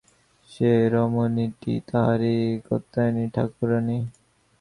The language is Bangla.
সে রমণীটি তাঁহারই কাত্যায়নী ঠাকুরানী!